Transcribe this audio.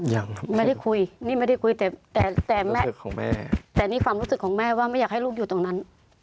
ยังไม่ได้คุยนี่ไม่ได้คุยแต่แต่แม่ของแม่แต่นี่ความรู้สึกของแม่ว่าไม่อยากให้ลูกอยู่ตรงนั้น